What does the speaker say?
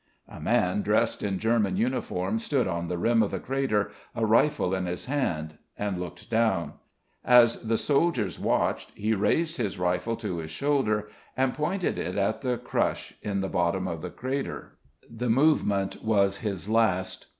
A man, dressed in German uniform, stood on the rim of the crater, a rifle in his hand, and looked down. As the soldiers watched, he raised his rifle to his shoulder and pointed it at the crush in the bottom of the crater. The movement was his last.